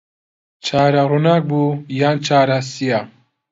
چارە ڕووناک بوو یا چارە سیا